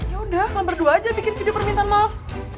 ya udah kan berdua aja bikin video permintaan maaf